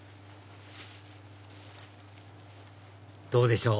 どうでしょう？